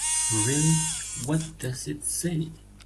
Really, what does it say?